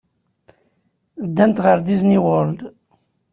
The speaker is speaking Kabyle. Ddant ɣer Disney World.